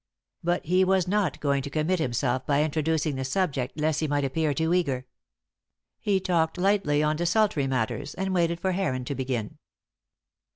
But he was not going to commit himself by introducing the subject lest he might appear too eager. He talked lightly on desultory matters and waited for Heron to begin.